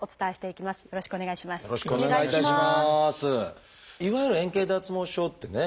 いわゆる円形脱毛症ってね